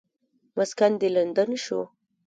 مسکن دې لندن شو.